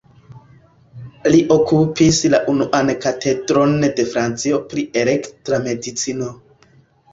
Li okupis la unuan katedron de Francio pri elektra medicino.